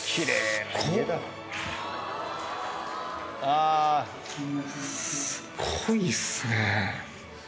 すごいっすね